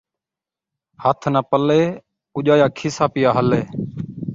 ہتھ ناں پلّے ، اجایا کھیسا پیا ہلے